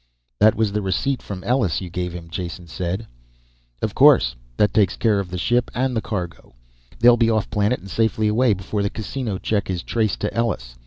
"That was the receipt from Ellus you gave him," Jason said. "Of course. That takes care of the ship and the cargo. They'll be off planet and safely away before the casino check is traced to Ellus.